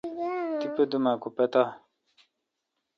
تیپہ دوم اؘ کو پتا۔